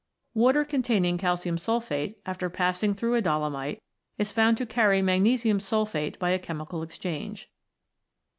Water containing calcium sulphate after passing through a dolomite is found to carry magnesium sulphate by a chemical exchange.